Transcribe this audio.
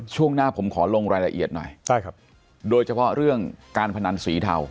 ช่วงหน้าผมขอลงรายละเอียดหน่อยใช่ครับโดยเฉพาะเรื่องการพนันสีเทา